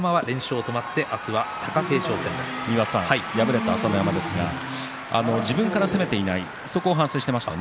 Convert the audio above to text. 敗れた朝乃山ですが、自分から攻めていないということを反省していました。